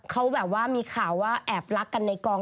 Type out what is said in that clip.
เขาแบบว่ามีข่าวว่าแอบรักกันในกอง